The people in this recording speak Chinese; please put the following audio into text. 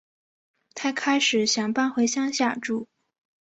她开始想搬回乡下住